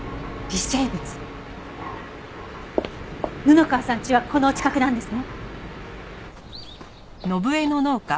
布川さん家はこのお近くなんですね？